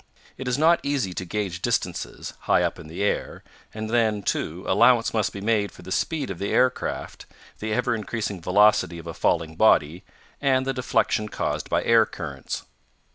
It is not easy to gauge distances, high up in the air, and then, too, allowance must be made for the speed of the aircraft, the ever increasing velocity of a falling body, and the deflection caused by air currents.